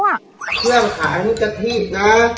เครื่องขาวของกระทินะ